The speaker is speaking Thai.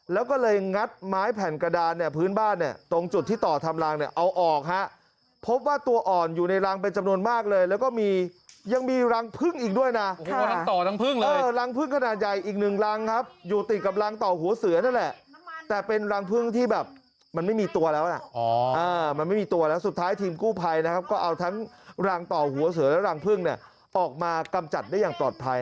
แล้วก็เลยงัดไม้แผนกระดานเนี้ยพื้นบ้านเนี้ยตรงจุดที่ต่อทำร้างเนี้ยเอาออกฮะพบว่าตัวอ่อนอยู่ในรังเป็นจำนวนมากเลยแล้วก็มียังมีรังพึ่งอีกด้วยน่ะค่ะทั้งต่อทั้งพึ่งเลยเออรังพึ่งขนาดใหญ่อีกหนึ่งรังครับอยู่ติดกับรังต่อหัวเสือนั่นแหละแต่เป็นรังพึ่งที่แบบมันไม่มีตัวแล้วน่